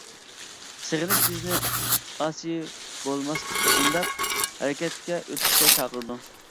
سېغىنىش بىزنى ئاسىي بولماسلىققا ئۈندەپ، ھەرىكەتكە ئۆتۈشكە چاقىرىدۇ.